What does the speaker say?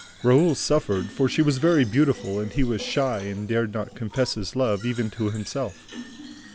Raoul suffered, for she was very beautiful and he was shy and dared not confess his love, even to himself.